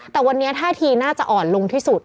แต่วันนี้ท่าทีน่าจะอ่อนลงที่สุด